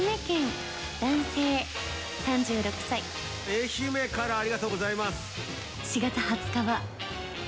「愛媛からありがとうございます」。